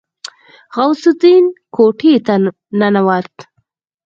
غوث الدين کوټې ته ننوت.